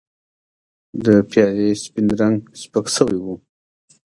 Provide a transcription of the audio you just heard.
د پیالې سپین رنګ سپک شوی و.